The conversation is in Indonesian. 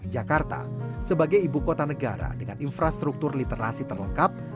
jakarta sebagai ibu kota negara dengan infrastruktur literasi terlengkap